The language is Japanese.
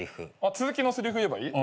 続きのせりふ言えばいい？